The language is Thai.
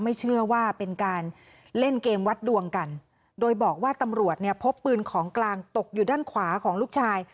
ไม่เชื่อว่าเป็นการเล่นเกมวัดดวงกันโดยบอกว่าตำรวจเนี่ยพบปืนของกลางตกอยู่ด้านขวาของลูกชาย